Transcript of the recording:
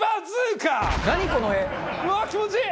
うわあ気持ちいい！